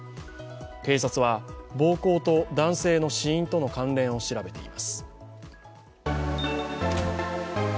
警察は暴行と男性の死因との関連を調べています。